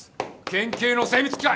県警の精密機械！